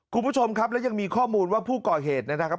คุณผู้ชมครับแล้วยังมีข้อมูลว่าผู้ก่อเหตุนะครับ